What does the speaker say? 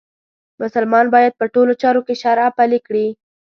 مسلمان باید په ټولو چارو کې شرعه پلې کړي.